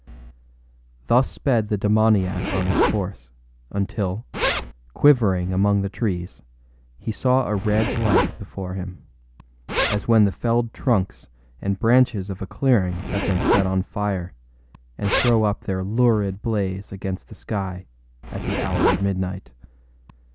Thus sped the demoniac on his course, until, quivering among the trees, he saw a red light before him, as when the felled trunks and branches of a clearing have been set on fire, and throw up their lurid blaze against the sky, at the hour of midnight.